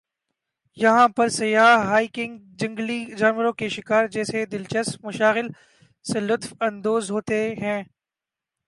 یہاں پر سیاح ہائیکنگ جنگلی جانوروں کے شکار جیسے دلچسپ مشاغل سے لطف اندوز ہو تے ہیں ۔